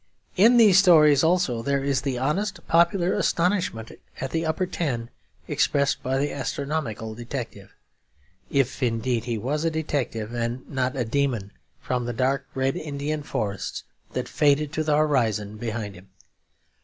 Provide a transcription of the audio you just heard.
In these stories also there is the honest, popular astonishment at the Upper Ten expressed by the astronomical detective, if indeed he was a detective and not a demon from the dark Red Indian forests that faded to the horizon behind him.